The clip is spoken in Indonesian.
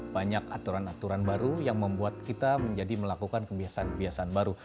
banyak aturan aturan baru yang membuat kita menjadi melakukan kebiasaan kebiasaan baru